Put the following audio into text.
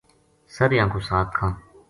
سَرِیاں کو ساگ کھاں